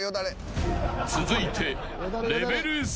［続いて］